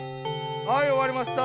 はい終わりました。